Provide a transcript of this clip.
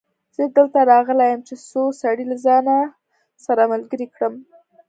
زه دلته راغلی يم چې څو سړي له ځانه سره ملګري کړم.